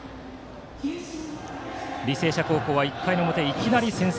履正社高校は１回の表、いきなり先制。